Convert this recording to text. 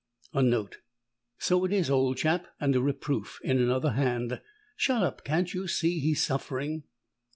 _ (A note: So it is, old chap! and a reproof in another hand: _Shut up! can't you see he's suffering?)